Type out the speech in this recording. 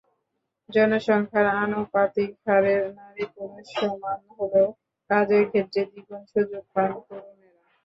জনসংখ্যার আনুপাতিক হারে নারী-পুরুষ সমান হলেও কাজের ক্ষেত্রে দ্বিগুণ সুযোগ পান তরুণেরা।